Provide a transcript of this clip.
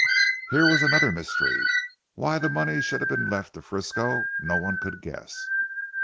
Here was another mystery. Why the money should have been left to Frisco no one could guess.